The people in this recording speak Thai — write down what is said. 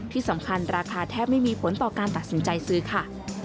ที่สำคัญราคาแทบไม่มีผลต่อการตัดสินใจซื้อค่ะ